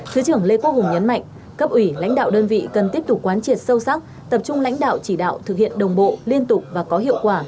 thứ trưởng lê quốc hùng nhấn mạnh cấp ủy lãnh đạo đơn vị cần tiếp tục quán triệt sâu sắc tập trung lãnh đạo chỉ đạo thực hiện đồng bộ liên tục và có hiệu quả